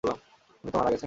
উনি তো মারা গেছেন?